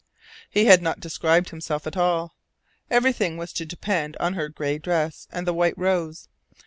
He had not described himself at all. Everything was to depend on her gray dress and the white rose.